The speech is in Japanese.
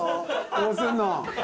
どうすんの？